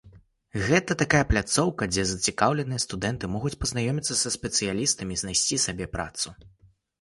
Гэта такая пляцоўка, дзе зацікаўленыя студэнты могуць пазнаёміцца са спецыялістамі і знайсці сабе працу.